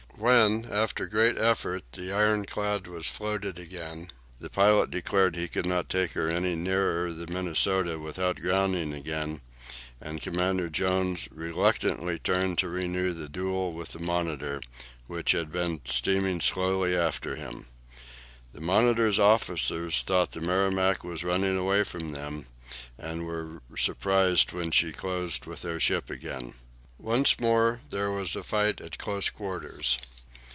When after great efforts the ironclad was floated again, the pilot declared he could not take her any nearer the "Minnesota" without grounding again, and Commander Jones reluctantly turned to renew the duel with the "Monitor," which had been steaming slowly after him. The "Monitor's" officers thought the "Merrimac" was running away from them, and were surprised when she closed with their ship again. Once more there was a fight at close quarters.